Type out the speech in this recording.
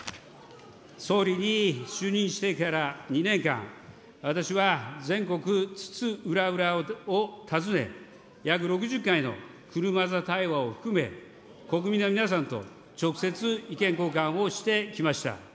総理に就任してから２年間、私は全国津々浦々を訪ね、約６０回の車座対話を含め、国民の皆さんと直接意見交換をしてきました。